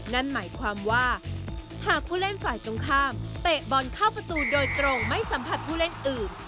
นั่นหมายความว่าหากผู้เล่นฝ่ายตรงข้ามเตะบอลเข้าประตูโดยตรงไม่สัมผัสผู้เล่นอื่น